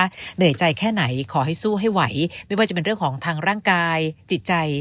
เหนื่อยใจแค่ไหนขอให้สู้ให้ไหวไม่ว่าจะเป็นเรื่องของทางร่างกายจิตใจ